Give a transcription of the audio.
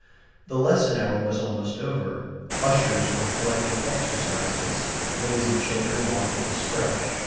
The lesson hour was almost over. Ushers were collecting exercises. Lazy children wanted to stretch.